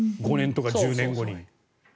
５年とか１０年後に。